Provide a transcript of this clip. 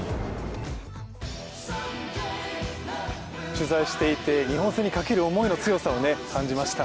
取材していて日本戦にかける思いの強さを感じました。